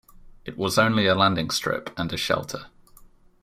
It was only a landing strip and a shelter.